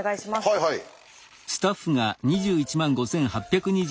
はいはい。